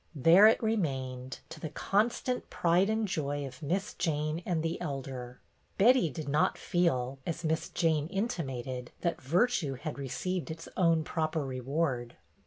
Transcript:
There it remained, to the con stant pride and joy of Miss Jane and the Elder. Betty did not feel, as Miss Jane in timated, that virtue had received its own proper reward.